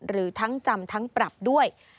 หรือทั้งจำทั้งปรับด้วย